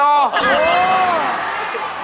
โอ้โห